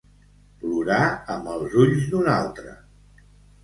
Plorar amb els ulls d'un altre.